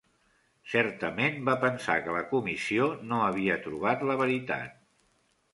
Certament va pensar que la Comissió no havia trobat la veritat.